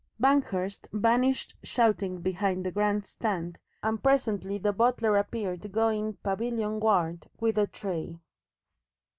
Banghurst vanished shouting behind the grand stand, and presently the butler appeared going pavilionward with a tray.